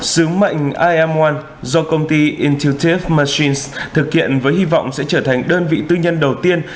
sứ mệnh iam một do công ty intuitive machines thực hiện với hy vọng sẽ trở thành đơn vị tư nhân đầu tiên